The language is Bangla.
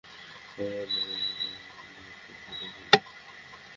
আমারটা বন্ধ হয়ে গেলো, আর উনারটা খুলে গেলো।